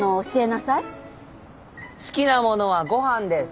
好きなものはごはんです。